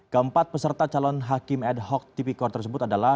keempat peserta calon hakim ad hoc tipikor tersebut adalah